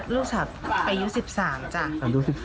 ลูกสาวปลายุ๑๓